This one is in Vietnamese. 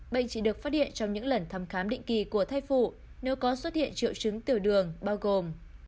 bệnh chỉ được phát hiện trong những lần thăm khám định kỳ của thai phụ nếu có xuất hiện triệu chứng tiểu đường bao gồm